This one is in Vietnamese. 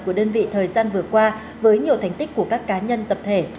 của đơn vị thời gian vừa qua với nhiều thành tích của các cá nhân tập thể